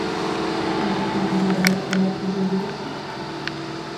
А магчымасць дадаваць праекты з'явілася?